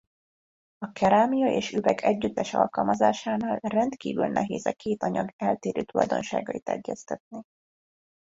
A kerámia és üveg együttes alkalmazásánál rendkívül nehéz e két anyag eltérő tulajdonságait egyeztetni.